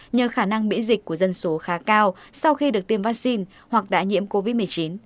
nhờ khả năng miễn dịch của dân số khá cao sau khi được tiêm vaccine hoặc đã nhiễm covid một mươi chín